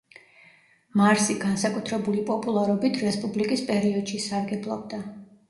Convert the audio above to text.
მარსი განსაკუთრებული პოპულარობით რესპუბლიკის პერიოდში სარგებლობდა.